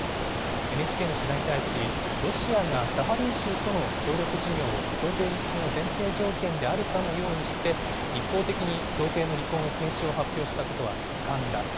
ＮＨＫの取材に対し、ロシアがサハリン州との協力事業を、協定実施の前提条件であるかのようにして、一方的に協定の履行の停止を発表したことは遺憾だ。